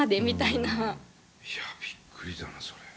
いやびっくりだなそれ。